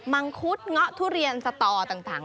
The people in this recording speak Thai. มังคุดเงาะทุเรียนสตอต่าง